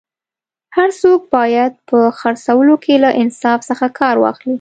هر څوک باید په خرڅولو کي له انصاف څخه کار واخلي